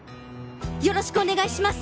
よろしくお願いします！